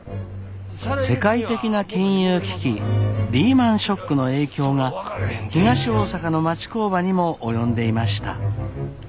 世界的な金融危機リーマンショックの影響が東大阪の町工場にも及んでいました。